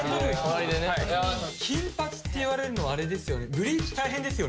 金髪っていわれるのはあれですよね。